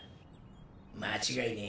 間違いねえ。